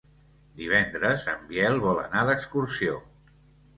Divendres en Biel vol anar d'excursió.